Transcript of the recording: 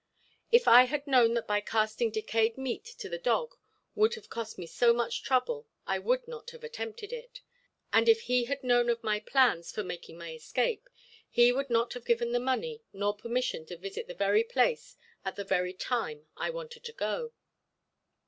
If I had known that by casting decayed meat to the dog would have cost me so much trouble I would not have attempted it; and if he had known of my plans for making my escape he would not have given me money nor permission to visit the very place at the very time I wanted to go.